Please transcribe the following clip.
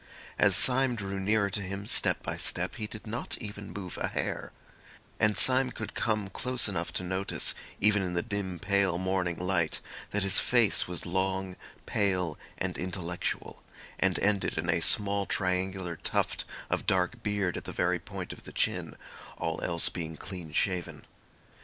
As Syme drew nearer to him step by step, he did not even move a hair; and Syme could come close enough to notice even in the dim, pale morning light that his face was long, pale and intellectual, and ended in a small triangular tuft of dark beard at the very point of the chin, all else being clean shaven.